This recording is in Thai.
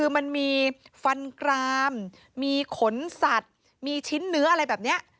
คือมันมีฟันกรามมีขนสัตว์มีชิ้นเนื้ออะไรแบบนี้